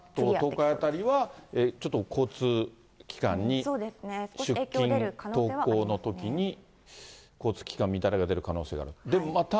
関東、東海辺りは、ちょっと交通機関に、出勤、登校のときに、交通機関、乱れが出る可能性がある。